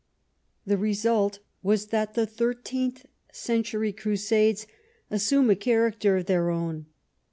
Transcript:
The result was that the thirteenth century Crusades assume a character of their own.